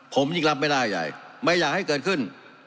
ผมยิ่งรับไม่ได้ใหญ่ไม่อยากให้เกิดขึ้น